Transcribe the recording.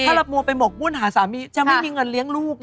ถ้าเรามัวไปหมกมุ่นหาสามีจะไม่มีเงินเลี้ยงลูก